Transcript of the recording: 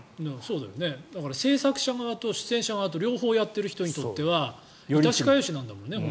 だから制作者側と出演者側と両方やっている人にとっては痛しかゆしだもんね。